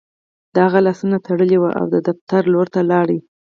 د هغه لاسونه تړلي وو او د دفتر لور ته لاړ